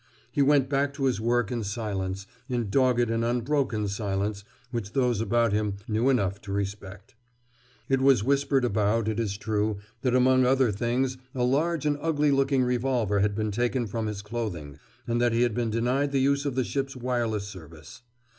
He went back to his work in silence, in dogged and unbroken silence which those about him knew enough to respect. It was whispered about, it is true, that among other things a large and ugly looking revolver had been taken from his clothing, and that he had been denied the use of the ship's wireless service.